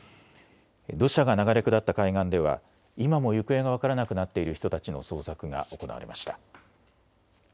土砂が流れ下った海岸では今も行方が分からなくなっている人たちの捜索が行われました。